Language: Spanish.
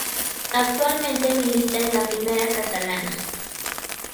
Actualmente milita en la Primera Catalana.